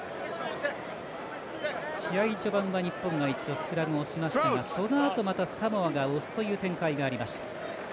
試合序盤は日本が一度、スクラムをしましたがそのあと、またサモアが押すという展開がありました。